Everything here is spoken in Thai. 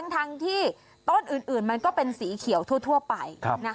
ทั้งที่ต้นอื่นมันก็เป็นสีเขียวทั่วไป